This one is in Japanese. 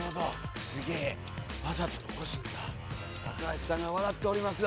橋さんが笑っておりますよ。